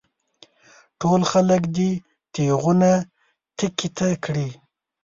ټول خلک دې تېغونه تېکې ته کړي.